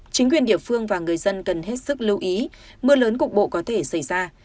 chính quyền địa phương và người dân cần hết sức lưu ý mưa lớn cục bộ có thể xảy ra